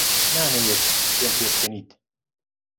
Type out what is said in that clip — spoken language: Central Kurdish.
نامەوێت پێم پێبکەنیت.